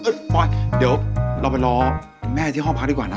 โอ๊ยโป๊ยเดี๋ยวเราไปรอแม่ที่ห้องพักดีกว่านะ